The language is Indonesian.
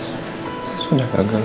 saya sudah mencukupi